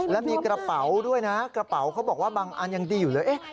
และมีกระเป๋าด้วยนะกระเป๋าเขาบอกว่าบางอันยังดีอยู่เลย